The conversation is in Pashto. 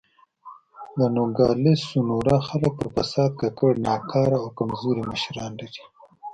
د نوګالس سونورا خلک پر فساد ککړ، ناکاره او کمزوري مشران لري.